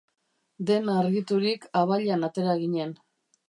Dena argiturik, abailan atera ginen.